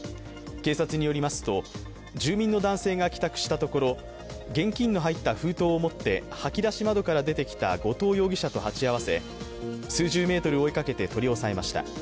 警察によりますと、住民の男性が帰宅したところ現金の入った封筒を持って掃き出し窓から出てきた後藤容疑者と鉢合わせ、数十メートル追いかけて取り押さえました。